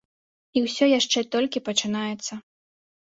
І ўсё яшчэ толькі пачынаецца.